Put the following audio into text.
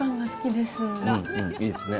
いいですね。